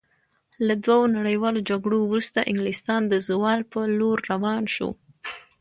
له دوو نړیوالو جګړو وروسته انګلستان د زوال په لور روان شو.